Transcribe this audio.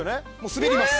滑ります。